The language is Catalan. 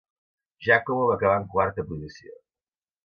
Giacomo va acabar en quarta posició.